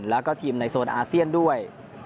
แล้วก็ทีมในโซนอาเซียนด้วย